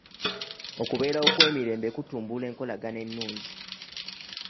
Okubeerawo kw'emirembe kutumbula enkolagana ennungi.